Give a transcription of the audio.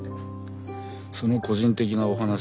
その「個人的なお話」